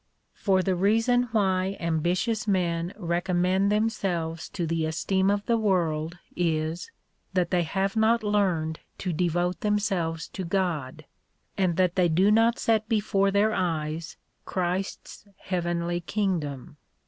For the reason why ambitious men recommend themselves to the esteem of the world is, that they have not learned to devote themselves to God, and that they do not set before their eyes Christ's heavenly kingdom.